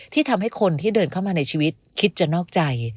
ทำให้คนที่เดินเข้ามาในชีวิตคิดจะนอกใจ